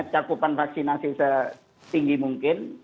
kegagupan vaksinasi setinggi mungkin